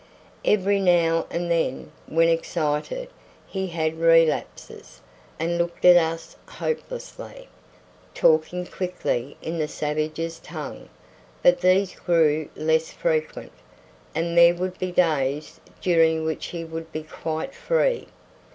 Every now and then, when excited, he had relapses, and looked at us hopelessly, talking quickly in the savages' tongue; but these grew less frequent, and there would be days during which he would be quite free.